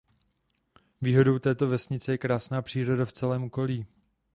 Výhodou této vesnice je krásná příroda v celém okolí.